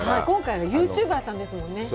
今回はユーチューバーさんですもんね。